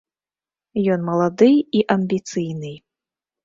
Ён малады і амбіцыйны.